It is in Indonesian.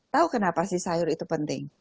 tahu kenapa sih sayur itu penting